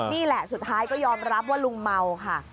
นี่แหละสุดท้ายก็ยอมรับว่าลุงเมาค่ะ